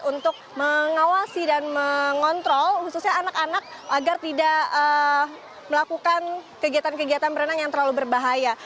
untuk mengawasi dan mengontrol khususnya anak anak agar tidak melakukan kegiatan kegiatan berenang yang terlalu berbahaya